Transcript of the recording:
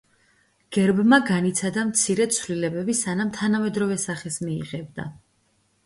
გერბმა განიცადა მცირე ცვლილებები სანამ თანამედროვე სახეს მიიღებდა.